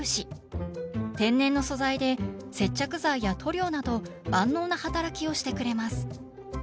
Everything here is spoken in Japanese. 天然の素材で接着剤や塗料など万能な働きをしてくれます。